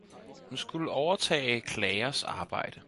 Hun skulle overtage klagers arbejde.